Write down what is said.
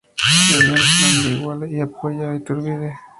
Se unió al Plan de Iguala y apoya a Iturbide.